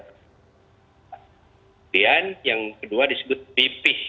kemudian yang kedua disebut bph